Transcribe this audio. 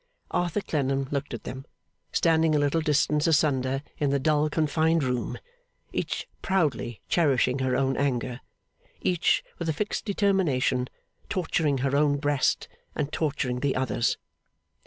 Arthur Clennam looked at them, standing a little distance asunder in the dull confined room, each proudly cherishing her own anger; each, with a fixed determination, torturing her own breast, and torturing the other's.